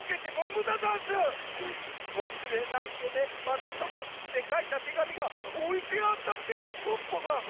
まさとも」ってかいたてがみがおいてあったってポッポが！